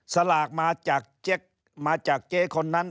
สลากมาจากเจ๊คนนั้น